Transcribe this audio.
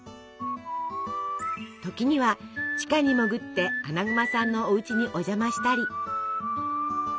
時には地下に潜ってアナグマさんのおうちにお邪魔したり。